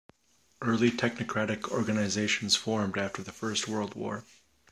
Early technocratic organisations formed after the First World War.